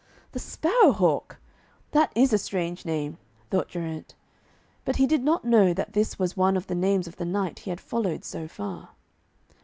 'The Sparrow hawk! that is a strange name,' thought Geraint. But he did not know that this was one of the names of the knight he had followed so far.